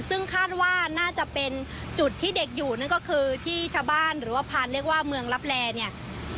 ซึ่งคาดว่าน่าจะเป็นจุดที่เด็กอยู่นั่นก็คือที่ชาวบ้านหรือว่าพานเรียกว่าเมืองลับแลเนี่ย